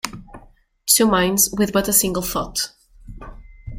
Two minds with but a single thought.